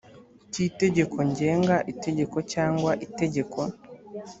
cy itegeko ngenga itegeko cyangwa itegeko